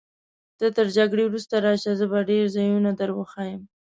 ته تر جګړې وروسته راشه، زه به ډېر ځایونه در وښیم.